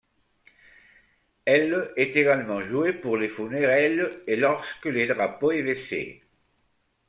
Elle est également jouée pour les funérailles et lorsque le drapeau est baissé.